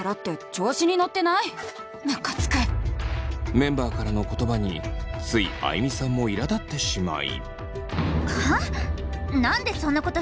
メンバーからの言葉についあいみさんもいらだってしまい。